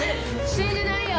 死んでないよ！